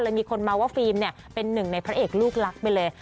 มีคนมาว่าฟิล์มเนี่ยเป็นหนึ่งในพระเอกลูกลักษณ์ไปเลย